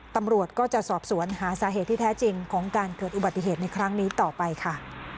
ตำรวจก็จะสอบสวนหาสาเหตุที่แท้จริงของการเกิดอุบัติเหตุในครั้งนี้ต่อไปค่ะ